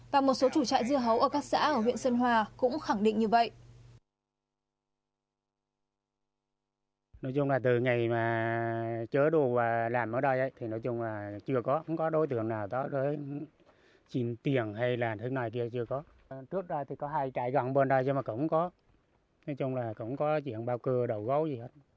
và một số chủ trại dưa hấu ở các xã ở huyện sơn hòa cũng khẳng định như vậy